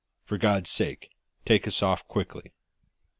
For God's sake, take us off quickly!"